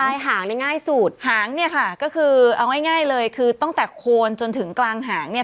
ใช่หางได้ง่ายสุดหางเนี่ยค่ะก็คือเอาง่ายง่ายเลยคือตั้งแต่โคนจนถึงกลางหางเนี่ย